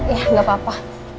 ya gak apa apa